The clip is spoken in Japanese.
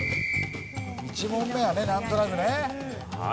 １問目はねなんとなくね。